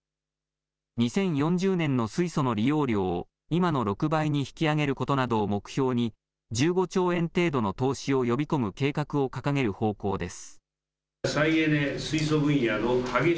２０４０年の水素の利用量を今の６倍に引き上げることなどを目標に１５兆円程度の投資を呼び込む計画を掲げる方向です。